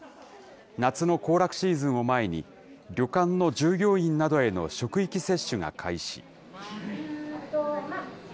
夏の行楽シーズンを前に、旅館の従業員などへの職域接種が開始。